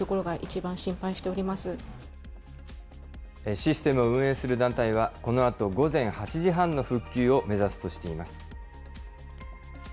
システムを運営する団体は、このあと午前８時半の復旧を目指すとしています。